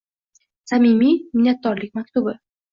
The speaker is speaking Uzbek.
Samimiy minnatdorlik maktubi